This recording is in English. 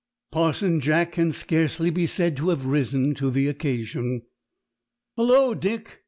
Parson Jack can scarcely be said to have risen to the occasion. "Hullo, Dick!"